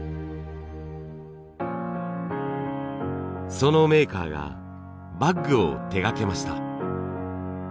そのメーカーがバッグを手がけました。